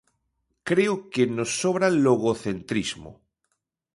Creo que nos sobra logocentrismo.